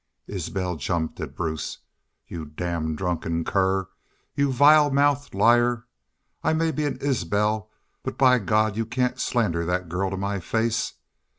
"Isbel jumped at Bruce. 'You damned drunken cur! You vile mouthed liar! ... I may be an Isbel, but by God you cain't slander thet girl to my face!